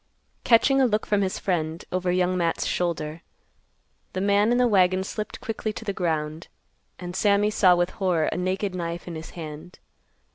Catching a look from his friend, over Young Matt's shoulder, the man in the wagon slipped quickly to the ground, and Sammy saw with horror a naked knife in his hand.